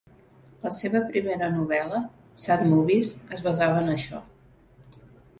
La seva primera novel·la, "Sad Movies", es basava en això.